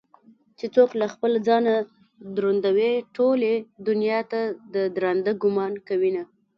چې څوك له خپله ځانه دروندوي ټولې دنياته ددراندۀ ګومان كوينه